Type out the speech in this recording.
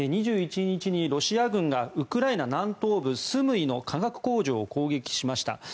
２１日にロシア軍がウクライナ南東部スムイの化学工場を攻撃しました。